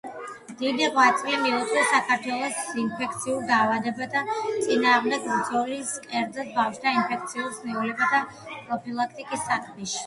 დიდი ღვაწლი მიუძღვის საქართველოში ინფექციურ დაავადებათა წინააღმდეგ ბრძოლის, კერძოდ, ბავშვთა ინფექციურ სნეულებათა პროფილაქტიკის საქმეში.